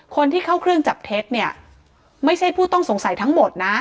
คนที่เข้าเครื่องจับเท็จเนี่ยไม่ใช่ผู้ต้องสงสัยทั้งหมดนะ